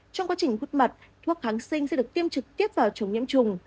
trong quá trình hút mật thuốc kháng sinh sẽ được tiêm trực tiếp vào chống nhiễm trùng